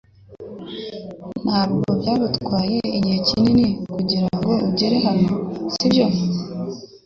Ntabwo byagutwaye igihe kinini kugirango ugere hano, sibyo?